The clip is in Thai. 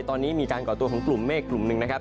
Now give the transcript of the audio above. ตอนนี้มีการก่อตัวของกลุ่มเมฆกลุ่มหนึ่งนะครับ